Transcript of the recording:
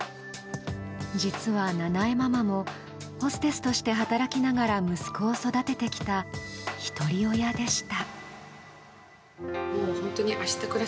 実は、ななえママもホステスとして働きながら息子を育ててきたひとり親でした。